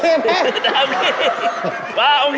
เขาเยอะแล้วมันก็ไกล